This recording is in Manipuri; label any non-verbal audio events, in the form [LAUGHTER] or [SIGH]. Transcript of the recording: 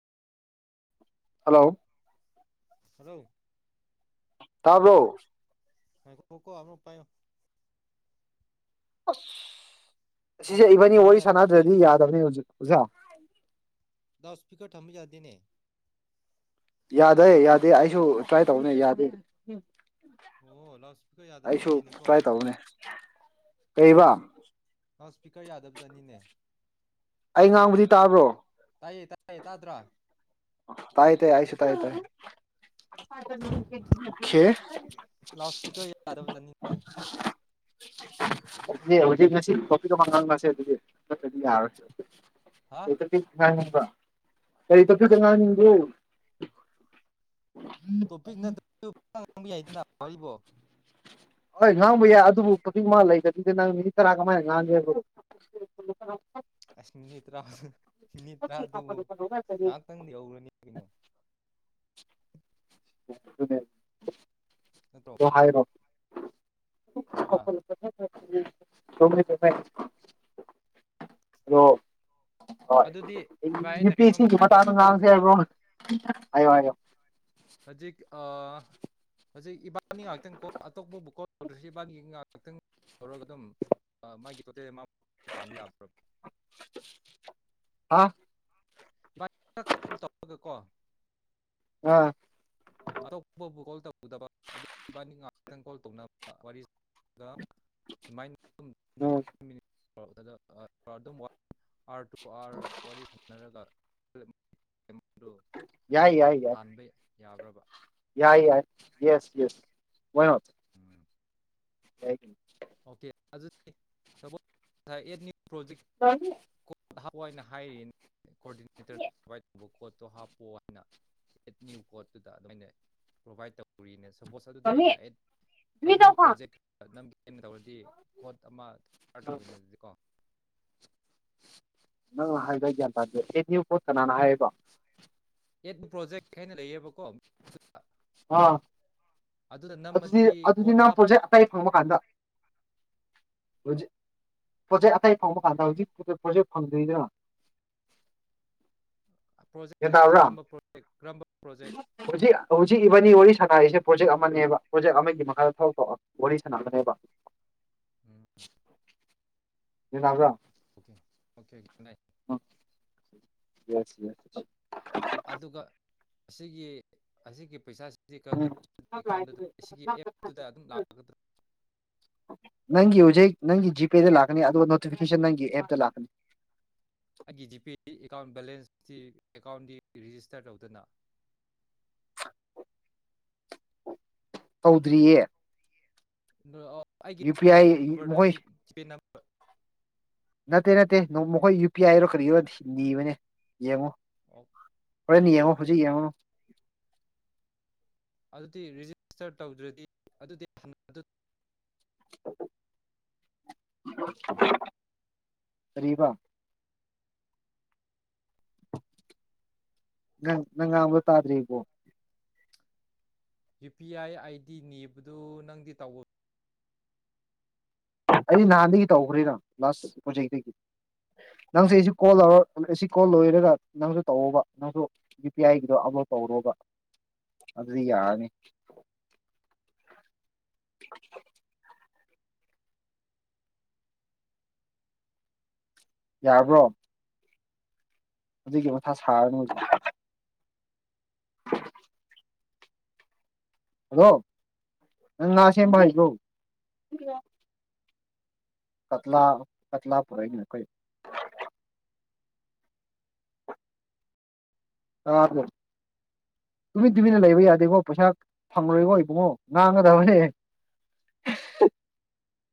ꯍꯜꯂꯣ ꯀꯔꯤ ꯇꯥꯕꯣꯔꯣ ꯀꯣꯀꯣꯅ ꯄꯥꯏꯎ ꯑꯁ ꯑꯁꯤꯁꯦ ꯏꯕꯅꯤ ꯊꯝꯕ ꯋꯥꯔꯤ ꯌꯥꯗꯦ ꯁꯥꯟꯅꯗ꯭ꯔꯗꯤ ꯌꯥꯗꯕꯅꯤ ꯍꯧꯖꯤꯛ ꯑꯣꯖꯥ ꯇꯁꯄꯤꯀꯔ ꯊꯃꯤꯖꯗꯅꯦ ꯌꯥꯗꯦ ꯌꯥꯗꯦ ꯑꯩꯁꯨ ꯇ꯭ꯔꯥꯏ ꯇꯧꯅꯦ ꯌꯥꯗꯦ ꯑꯣ ꯂꯥꯎꯠ ꯏꯁꯄꯤꯀꯔ ꯑꯩꯁꯨ ꯌꯥꯗꯕꯖꯥꯠꯅꯤꯅꯦꯀꯣ ꯇ꯭ꯔꯥꯏ ꯇꯧꯕꯅꯦ ꯀꯔꯤꯕ ꯂꯥꯎꯠ ꯏꯁꯄꯤꯀꯔ ꯌꯥꯗꯕꯖꯥꯠꯅꯤꯅꯦ ꯑꯩ ꯉꯥꯡꯕꯗꯤ ꯇꯥꯕ꯭ꯔꯣ ꯇꯥꯏꯌꯦ ꯇꯥꯏꯌꯦ ꯇꯥꯗ꯭ꯔꯥ ꯇꯥꯏ ꯇ ꯍꯥꯏꯥꯏꯁꯨ ꯇꯥꯏ ꯇ ꯑꯣ ꯈꯦ ꯂꯥꯎꯠ ꯏꯁꯄꯤꯀꯔ ꯌꯥꯗꯕꯖꯥꯠꯅꯤꯅꯦ ꯑꯗꯨ ꯍꯧꯖꯤꯛ ꯉꯁꯤ ꯀꯣꯄꯤ ꯃꯪꯒꯜ ꯉꯁꯦ ꯑꯗꯨꯗꯤꯗꯤ ꯌꯥꯔꯣꯢ ꯍꯥ ꯀꯀꯥ ꯀꯩ ꯌꯦꯕꯥ ꯀꯉꯥꯏꯅꯤꯡꯗꯣ ꯇꯣ ꯄꯤꯛ ꯅꯠꯇ ꯉꯪꯕꯤ ꯌꯥꯏꯗꯅꯔꯤꯕꯣ ꯍꯣꯏ ꯉꯥꯡꯕ ꯌꯥꯏ ꯑꯗꯨꯕꯨ ꯐꯖꯤ ꯃꯥ ꯂꯩꯕ ꯑꯗꯨꯗꯤ ꯅꯪ ꯃꯤ ꯇꯔꯥ ꯀꯃꯥꯏꯅ ꯉꯥꯡꯒꯦꯕꯣ ꯑꯁ꯭ꯅꯤꯠꯇ ꯔꯥ ꯃꯤꯅꯤꯠ ꯇꯔꯥꯗꯨꯕꯨ ꯉꯍꯥꯛꯇꯪꯗꯤ ꯍꯧꯔꯅꯤ ꯀꯅꯣ ꯅꯠꯇ꯭ꯔꯣ ꯑꯩ ꯔꯣ ꯍꯥꯏꯔꯣ ꯈꯣꯏ ꯀ ꯀ ꯍꯥ ꯑꯣ ꯑꯗꯨꯗꯤ ꯚꯥꯏ ꯌꯨ ꯑꯩꯅ ꯀꯩꯅꯣꯝ ꯄꯁꯤꯒꯤ ꯃꯇꯅꯨꯡ ꯍꯥꯏꯒꯦꯕꯀꯣ ꯉꯥꯡꯁꯦꯕꯣ ꯍꯥꯏꯎ ꯍꯧꯖꯤꯛ ꯍꯧꯖꯤꯛ ꯏꯕꯥꯅꯤ ꯉꯥꯛꯇꯪ ꯀꯣ ꯑꯇꯣꯞꯄꯕꯨ ꯀꯣꯜ ꯇꯧꯗ꯭ꯔꯁꯤ ꯏꯕꯥꯅꯤ ꯉꯥꯏꯍꯥꯛꯇꯪ ꯇꯧꯔꯒ ꯑꯗꯨꯝ ꯃꯥꯒꯤ ꯇꯣꯇꯦꯜ ꯇꯟꯕ ꯌꯥꯕꯔꯣ ꯍꯥ ꯇꯒ ꯀꯣ ꯑꯥ꯫ ꯑꯇꯣꯞꯄ ꯐꯕꯨ ꯀꯣꯜ ꯇꯧꯗꯕ ꯑꯗꯨ ꯏꯕꯥꯅꯤ ꯉꯥꯏꯍꯥꯛꯇꯪ ꯀꯣꯜ ꯇꯧꯅꯕ ꯋꯥꯔꯤ ꯁꯨꯃꯥꯏꯅ ꯎꯝ ꯑꯗꯨꯥꯔ ꯑꯥꯔ ꯋꯥꯔꯤ ꯁꯥꯟꯅꯔꯒ ꯍ ꯑꯗꯨꯝ ꯌꯥꯏ ꯌꯥꯏ ꯇꯥꯟꯕ ꯌꯥꯏ ꯌꯥꯕ꯭ꯔꯕ ꯣꯏꯣ ꯎꯝ ꯍꯥꯏ ꯑꯣꯀꯦ [UNINTELLIGIBLE] [UNINTELLIGIBLE] [UNINTELLIGIBLE] ꯄ꯭ꯔꯣꯖꯦꯛ ꯍꯋꯥꯏꯅ [UNINTELLIGIBLE] ꯍꯥꯏꯌꯦ ꯀꯣꯑꯣꯔꯗꯤꯅꯦꯇꯔ ꯇꯧꯕ ꯀꯣꯠ ꯇꯣ ꯍꯥꯞꯄꯣ ꯍꯥꯏꯅꯠ ꯅ꯭ꯌꯨ ꯀꯣꯠꯇꯨꯗ ꯑꯗꯨꯃꯥꯏꯅ ꯄ꯭ꯔꯣꯚꯥꯏꯗ ꯇꯧꯔꯤꯅ ꯁꯄꯣꯁ ꯑꯗꯨꯗꯤ ꯑꯩꯅ ꯑꯦꯠ ꯑꯦꯠ ꯅ꯭ꯌꯨ ꯄ꯭ꯔꯣꯖꯦꯛ ꯀꯩꯅ ꯇꯧꯔꯗꯤ ꯈꯣꯠ ꯑꯃ ꯀꯔ ꯇꯧꯕꯋꯤꯅꯦ ꯑꯗꯨꯗꯤ ꯀꯣ ꯅꯪ ꯍꯥꯏꯕ ꯒ꯭ꯌꯥꯟ ꯇꯥꯗꯦ ꯑꯦ ꯅꯌꯨ ꯄꯣꯠ ꯀꯅꯥꯅ ꯍꯥꯏꯌꯦꯕꯣ ꯌꯦꯠꯕꯨ ꯄ꯭ꯔꯣꯖꯦꯛ ꯍꯥꯏꯅ ꯂꯩꯌꯦꯕꯀꯣ ꯑꯥ ꯑꯗꯨꯗ ꯑꯗꯨꯗꯤ ꯅꯝꯃꯗꯤ ꯑꯗꯨꯗꯤ ꯀꯣꯠ ꯅꯪ ꯍꯥꯞ ꯄ꯭ꯔꯣꯖꯦꯛ ꯑꯇꯩ ꯐꯪꯕ ꯀꯥꯟꯗ ꯍꯧꯖꯤꯛ ꯄꯣꯠꯆꯩ ꯑꯇꯩ ꯐꯪꯕ ꯀꯥꯟꯗ ꯍꯧꯖꯤꯛ ꯄꯣꯠꯆꯩ ꯐꯪꯗ꯭ꯣꯏꯗꯥ ꯄ꯭ꯔꯣꯖꯦꯛ ꯒꯌ꯭ꯥꯟ ꯍꯥꯏꯕꯁꯤ ꯇꯕꯔꯥ ꯀꯔꯝꯕ ꯄ꯭ꯔꯣꯖꯦꯛ ꯀꯔꯝꯕ ꯄ꯭ꯔꯣꯖꯦꯛ ꯍꯧꯖꯤꯛ ꯍꯧꯖꯤꯛ ꯏꯕꯥꯅꯤ ꯋꯥꯔꯤ ꯁꯉꯔꯤꯁꯦ ꯄ꯭ꯔꯣꯖꯦꯛ ꯑꯃꯅꯦꯕ ꯄ꯭ꯔꯣꯖꯦꯛ ꯑꯃꯒꯤ ꯃꯈꯥꯗ ꯊꯕꯛ ꯇ ꯋꯥꯔꯤ ꯁꯅꯒꯅꯦꯕ ꯎꯝ ꯅꯕ꯭ꯔ ꯑꯣꯀꯦ ꯑꯣ ꯌꯦꯁ ꯌꯦꯁ ꯑꯗꯨꯒ ꯑꯁꯤꯒꯤ ꯑꯁꯤꯒꯤ ꯄꯩꯁꯥ ꯎꯝ ꯗ ꯑꯗꯨꯝ ꯂꯥꯛꯒꯗ ꯅꯪꯒꯤ ꯍꯧꯖꯤꯛ ꯅꯪꯒꯤ ꯖꯤꯄꯦꯗ ꯂꯥꯛꯀꯅꯤ ꯑꯗꯨꯒ ꯅꯣꯇꯤꯐꯤꯀꯦꯁꯟ ꯅꯪꯒꯤ ꯑꯦꯞꯇ ꯂꯥꯛꯀꯅꯤ ꯑꯩꯪꯒꯤ ꯖꯤ ꯄꯦ ꯑꯦꯀꯥꯎꯟ ꯦꯂꯦꯟꯁ ꯑꯦꯀꯥꯎꯟꯗꯤ ꯔꯤꯖꯤꯁꯇꯔ ꯇꯧꯗꯅ ꯇꯧꯗ꯭ꯔꯤꯌꯦ [INAUDIBLE] ꯑꯩꯒꯤ ꯌꯨ ꯄꯤ ꯑꯥꯏ ꯐꯣꯟ ꯅꯝꯕꯔꯗꯨ ꯃꯈꯣꯏ ꯖꯤꯄꯦ ꯅꯝꯕꯔ ꯅꯠꯇꯦ ꯅꯠꯇꯦ ꯃꯈꯣꯏ ꯌꯨ ꯄꯤ ꯑꯥꯏꯔꯣ ꯀꯔꯤꯔꯣ ꯊꯤꯕꯅꯦ ꯌꯦꯡꯉꯨ ꯍꫭꯔꯦꯟ ꯌꯤꯡꯉꯨ ꯍꯧꯖꯤꯛ ꯌꯤꯡꯉꯨꯅꯨ ꯑꯗꯨꯗꯤ ꯔꯤꯖꯤꯁꯇꯔ ꯇꯧꯗ꯭ꯔꯗꯤ ꯑꯗꯨꯗꯤ ꯀꯔꯤꯕꯥ ꯅꯪ‌ ꯉꯥꯡꯕ ꯇꯥꯗꯔꯤ ꯕꫭ U P I I D ꯅꯤꯕꯗꯨ ꯅꯪꯗꯤ ꯑꯩꯗꯤ ꯅꯍꯥꯟꯗꯒꯤ ꯇꯧꯈ꯭ꯔꯦꯅ ꯂꯥꯁ ꯄ꯭ꯔꯣꯖꯦꯛꯇꯒꯤ ꯅꯪꯁꯦ ꯑꯩꯁꯤ ꯀꯣꯜ ꯂꯧꯔ ꯑꯩ ꯀꯣꯜ ꯂꯣꯏꯔꯒ ꯅꯪꯁꯨ ꯇꯧꯕ ꯅꯪꯁꯨ ꯌ ꯄꯤ ꯑꯥꯏꯒꯤꯗꯣ ꯑꯞꯂꯣꯗ ꯇꯧꯔꯣꯕ ꯑꯗꯨꯗꯤ ꯌꯥꯔꯅꯤ ꯌꯥꯔꯕ꯭ꯔꯣ ꯍꯧꯖꯤꯛꯀꯤ ꯃꯊꯥ ꯁꯥꯔꯅꯨ ꯍꯜꯂꯣ ꯅꯪ ꯉꯥꯁꯦꯝꯕꯥ ꯍꯩꯕꯔꫭ ꯀꯠꯂ ꯀꯠꯂ ꯄꯨꯔꯅ ꯀꯣꯏ ꯇꯨꯃꯤꯟ ꯇꯨꯃꯤꯟꯅ ꯂꯩꯕ ꯌꯥꯗꯦꯕꯣ ꯄꯩꯁꯥ ꯐꯪꯉꯣꯏꯕꯣ ꯏꯕꯨꯡꯉꯣ ꯉꯥꯡꯒꯗꯕꯅꯦ